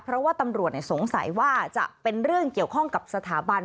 เพราะว่าตำรวจสงสัยว่าจะเป็นเรื่องเกี่ยวข้องกับสถาบัน